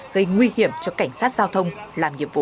gây nguy hiểm cho cảnh sát giao thông làm nhiệm vụ